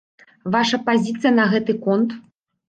Ваша пазіцыя на гэты конт?